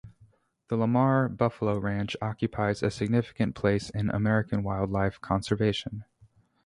The Lamar Buffalo Ranch occupies a significant place in American wildlife conservation.